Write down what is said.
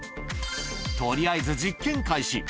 とりあえず実験開始。